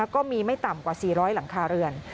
ก็ไม่ต่ำกว่า๔๐๐หลังคาเรือน